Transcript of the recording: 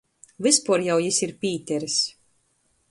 Vyspuor jau jis ir Pīters.